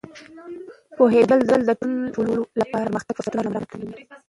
پوهېدل د ټولو لپاره د پرمختګ فرصتونه رامینځته کوي.